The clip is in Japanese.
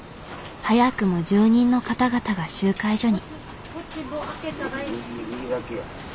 早くも住人の方々が集会所に。